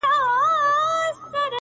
• الوتني کوي.